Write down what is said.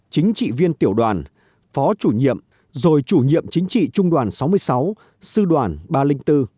chính trị viên tiểu đoàn phó chủ nhiệm rồi chủ nhiệm chính trị trung đoàn sáu mươi sáu sư đoàn ba trăm linh bốn